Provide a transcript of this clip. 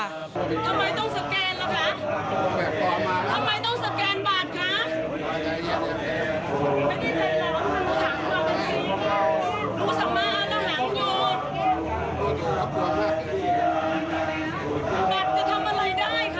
เมื่อปันหมายและ๑๓นับนี้จะไปทำอะไร